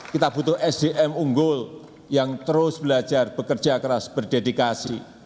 kita butuh sdm unggul yang terus belajar bekerja keras berdedikasi